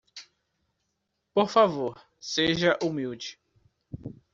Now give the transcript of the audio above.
Por favor, seja humilde.